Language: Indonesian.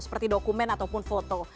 seperti dokumen ataupun foto